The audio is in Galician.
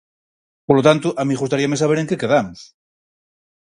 Polo tanto, a min gustaríame saber en que quedamos.